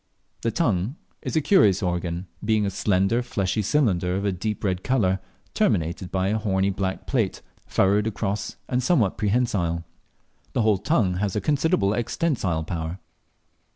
The tongue is a curious organ, being a slender fleshy cylinder of a deep red colour, terminated by a horny black plate, furrowed across and somewhat prehensile. The whole tongue has a considerable extensile power.